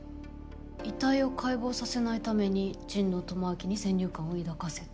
遺体を解剖させないために神野智明に先入観を抱かせた。